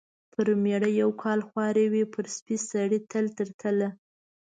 پر مېړه یو کال خواري وي ، پر سپي سړي تل تر تله .